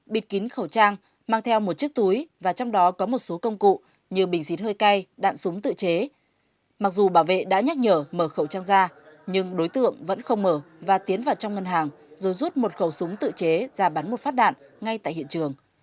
bảo vệ đã nhắc nhở mở khẩu trang ra nhưng đối tượng vẫn không mở và tiến vào trong ngân hàng rồi rút một khẩu súng tự chế ra bắn một phát đạn ngay tại hiện trường